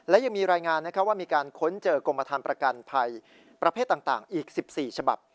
และยังมีรายงานว่ามีการค้นเจอกรมฐานประกันภัยประเภทต่างอีก๑๔ฉบับ